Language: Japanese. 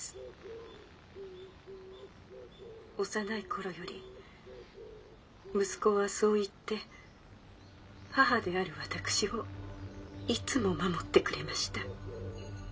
幼い頃より息子はそう言って母である私をいつも守ってくれました。